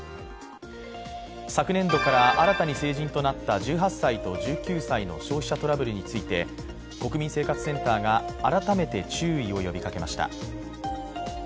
昨年度から新たに成人となった１８歳と１９歳の消費者トラブルについて国民生活センターが改めて注意を呼びかけました。